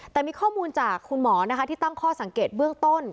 แต่มีข้อมูลจากคุณหมอนะคะที่ตั้งข้อสังเกตเบื้องต้น